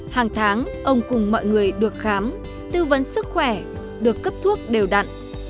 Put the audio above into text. hàng tháng ông cùng mọi người được khám tư vấn sức khỏe được cấp thuốc đều đặn